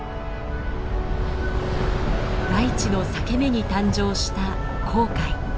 大地の裂け目に誕生した紅海。